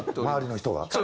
周りの人が？